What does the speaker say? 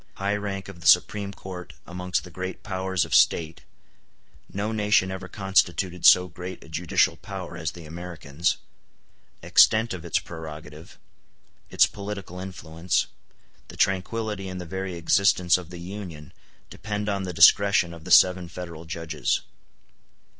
High Rank Of The Supreme Court Amongst The Great Powers Of State No nation ever constituted so great a judicial power as the Americans—Extent of its prerogative—Its political influence—The tranquillity and the very existence of the Union depend on the discretion of the seven Federal Judges.